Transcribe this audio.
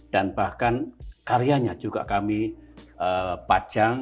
dan bahkan karyanya juga kami pacang